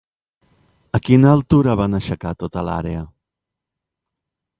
A quina altura van aixecar tota l'àrea?